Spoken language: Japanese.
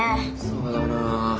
そうだな。